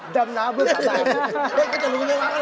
ดำน้ำเพื่อศาล